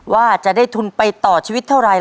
ว่าจะได้ทุนไปต่อชีวิตเท่าไร